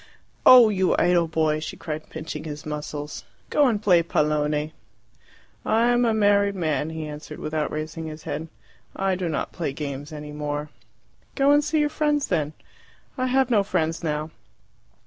"Oh, you idle boy!" she cried, pinching his muscles. "Go and play pallone." "I am a married man," he answered, without raising his head. "I do not play games any more." "Go and see your friends then." "I have no friends now."